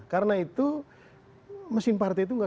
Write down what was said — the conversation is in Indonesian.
karena itu mesin partai itu bentuknya